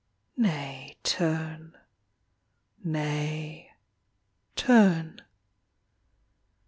Nay, turn. Nay, turn.